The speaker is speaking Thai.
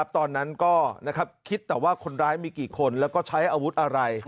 ตอนนั้นก็คิดแต่ว่าคนร้ายมีกี่คนแล้วก็ใช้อาวุธอะไร